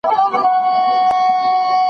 دا هغه مقدمه ده چي ابن خلدون ليکلې ده.